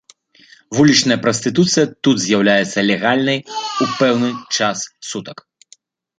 Вулічная прастытуцыя тут з'яўляецца легальнай ў пэўны час сутак.